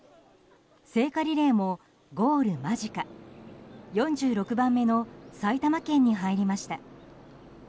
聖火リレーもゴール間近４６番目の埼玉県に入りました。